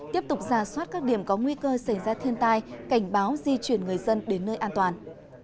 tiếp tục giả soát các điểm có nguy cơ xảy ra thiên tai cảnh báo di chuyển người dân đến nơi an toàn